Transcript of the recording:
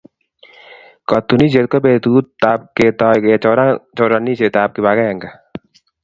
Katunisyet ko betutab ketoi kechoran choranisyetab kibagenge.